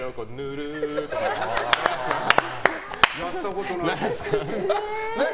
やったことないです。